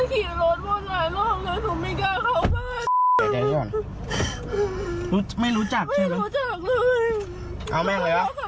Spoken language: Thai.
ก็รอคาเฟ่ก็หนูเดินออกมา